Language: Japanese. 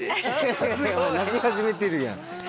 泣き始めてるやん。